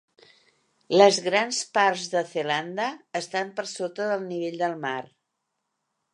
Les grans parts de Zelanda estan per sota del nivell del mar.